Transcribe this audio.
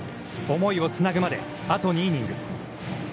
思いをつなぐまであと２イニングス。